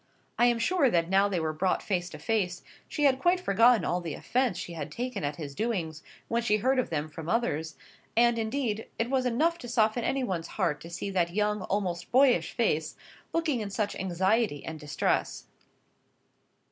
I am sure that now they were brought face to face, she had quite forgotten all the offence she had taken at his doings when she heard of them from others; and, indeed, it was enough to soften any one's heart to see that young, almost boyish face, looking in such anxiety and distress.